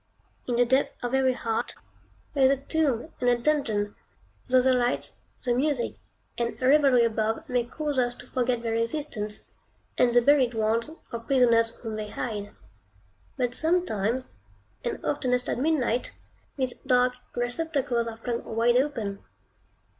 In the depths of every heart there is a tomb and a dungeon, though the lights, the music, and revelry above may cause us to forget their existence, and the buried ones, or prisoners whom they hide. But sometimes, and oftenest at midnight, these dark receptacles are flung wide open.